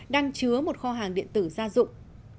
đang chứa một kho hàng điện tử gia dụng